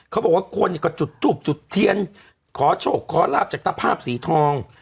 เขาบอกว่าคนก็จุดทูบจุดเทียนขอโชคขอลาบจากตะภาพสีทอง